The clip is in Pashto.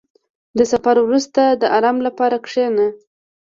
• د سفر وروسته، د آرام لپاره کښېنه.